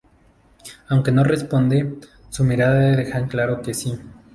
Aunque no responde, su mirada deja en claro que sí.